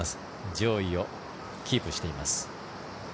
上位をキープしています。